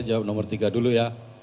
jawab nomor tiga dulu ya